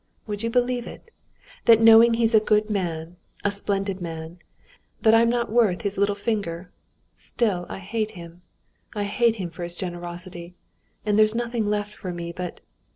Would you believe it, that knowing he's a good man, a splendid man, that I'm not worth his little finger, still I hate him. I hate him for his generosity. And there's nothing left for me but...."